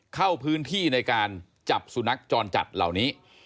เข้าพื้นที่ในการจับสุนัขจรจัดเหล่านี้